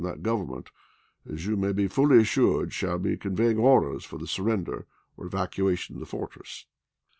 TprU Government as you may be fully assured shall be coii ^G,^i86i.^^ veying orders for the surrender or evacuation of the L, p. 288. ' fortress.